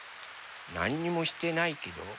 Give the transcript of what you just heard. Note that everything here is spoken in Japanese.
なんにもしてないけど。